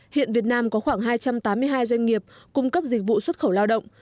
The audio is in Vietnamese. hiện việt nam có khoảng hai trăm tám mươi hai doanh nghiệp cung cấp dịch vụ xuất khẩu lao động